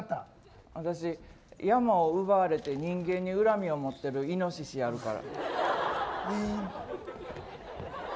私、山を奪われて人間に恨みを持っているイノシシやるから。